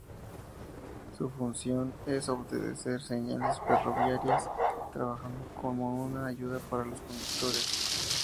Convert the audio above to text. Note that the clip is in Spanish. Su función es obedecer señales ferroviarias, trabajando como una ayuda para los conductores.